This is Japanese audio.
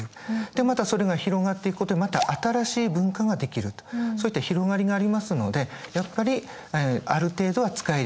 でまたそれが広がっていくことでまた新しい文化ができるとそういった広がりがありますのでやっぱりある程度は使えるように。